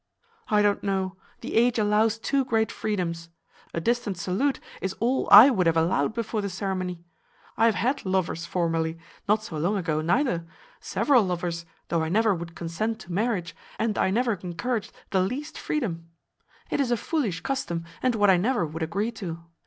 I don't know; the age allows too great freedoms. A distant salute is all I would have allowed before the ceremony. I have had lovers formerly, not so long ago neither; several lovers, though I never would consent to marriage, and I never encouraged the least freedom. It is a foolish custom, and what I never would agree to.